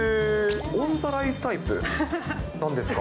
オン・ザ・ライスタイプなんですか？